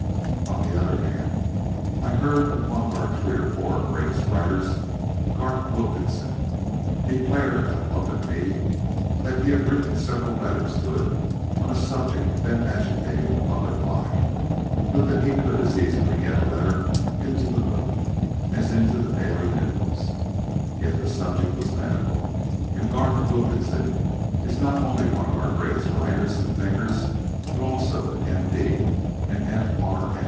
On the other hand, I heard one of our three or four greatest writers, Garth Wilkinson, declare at a public meeting that he had written several letters to it on a subject then agitating the public mind, but that he could as easily get a letter into the moon as into the Daily News. Yet the subject was medical; and Garth Wilkinson is not only one of our greatest writers and thinkers, but also an M.D. and F.R.